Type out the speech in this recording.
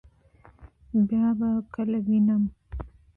بیا به کله وینم؟